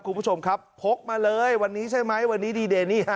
คุณผู้ชมครับพกมาเลยวันนี้ใช่ไหมวันนี้ดีเดย์นี่ฮะ